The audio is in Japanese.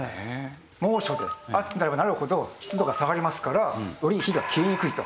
猛暑で暑くなればなるほど湿度が下がりますからより火が消えにくいと。